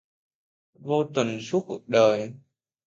Vô tình suốt cuộc đời